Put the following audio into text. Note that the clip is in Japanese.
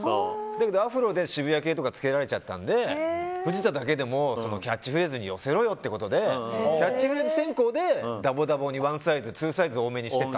だけど、アフロで渋谷系とかつけられちゃったんで藤田だけでもキャッチフレーズに寄せろよってことでキャッチフレーズ先行でダボダボに１サイズ、２サイド大めにして。